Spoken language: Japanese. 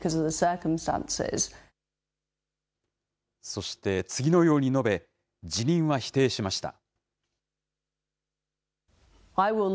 そして、次のように述べ、辞任は否定しました。